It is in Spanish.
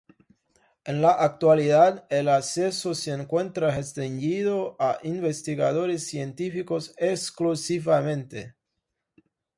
En la actualidad el acceso se encuentra restringido a investigadores científicos exclusivamente.